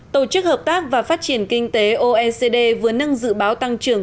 tổ chức hợp tác và phát triển kinh tế oecd vừa nâng dự báo tăng trưởng